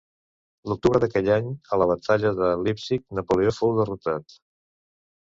L'octubre d'aquell any, a la Batalla de Leipzig, Napoleó fou derrotat.